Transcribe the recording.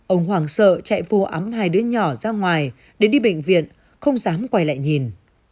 ông hoàng sợ chạy vô ấm hai đứa nhỏ ra ngoài để đi bệnh viện không dám quay lại nhìn